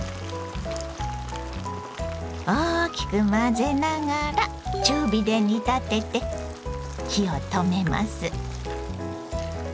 大きく混ぜながら中火で煮立てて火を止めます。